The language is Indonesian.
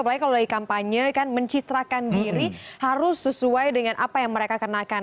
apalagi kalau dari kampanye kan mencitrakan diri harus sesuai dengan apa yang mereka kenakan